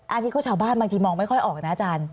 อันนี้ก็ชาวบ้านบางทีมองไม่ค่อยออกนะอาจารย์